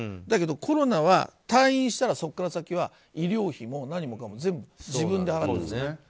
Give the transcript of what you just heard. だけどコロナは退院したらそこから先は医療費も何もかも全部自分で払うんですね。